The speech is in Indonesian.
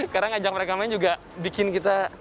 karena ngajak mereka main juga bikin kita